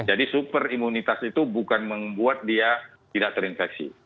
jadi super imunitas itu bukan membuat dia tidak terinfeksi